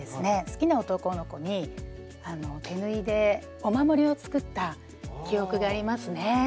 好きな男の子に手縫いでお守りを作った記憶がありますねはい。